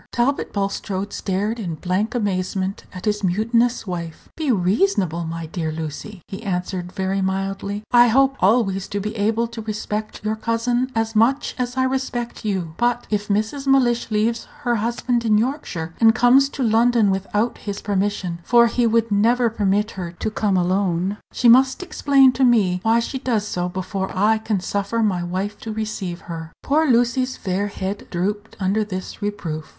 Talbot Bulstrode stared in blank amazement at his mutinous wife. "Be reasonable, my dear Lucy," he answered very mildly; "I hope always to be able to respect your cousin as much as I respect you. But if Mrs. Mellish leaves her husband in Yorkshire, and comes to London without his permission for he would never permit her to come alone she must explain to me why she does so before I can suffer my wife to receive her." Poor Lucy's fair head drooped under this reproof.